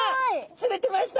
釣れてました！